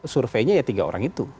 surveinya ya tiga orang itu